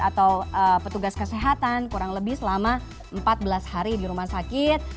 atau petugas kesehatan kurang lebih selama empat belas hari di rumah sakit